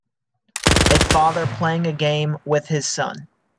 A father playing a game with his son.